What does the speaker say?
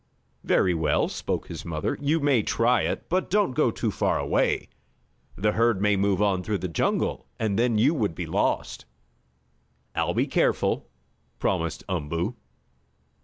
"Very well," spoke his mother. "You may try it. But don't go too far away. The herd may move on through the jungle, and then you would be lost." "I'll be careful," promised Umboo.